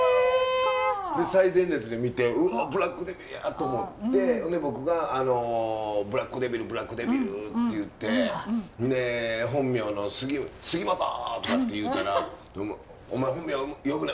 で最前列で見て「うわブラックデビルや！」と思ってほんで僕が「ブラックデビル！ブラックデビル！」って言ってで本名の「杉本！」とかって言うたら「お前本名呼ぶな！」